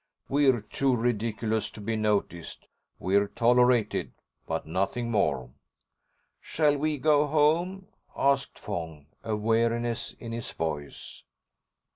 We're too ridiculous to be noticed. We're tolerated—but nothing more." "Shall we go home?" asked Fong, a weariness in his voice.